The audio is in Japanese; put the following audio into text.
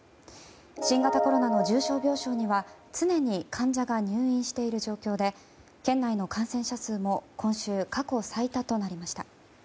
新型コロナの重症病床には常に患者が入院している状況で県内の感染者数も今週過去最多となりました。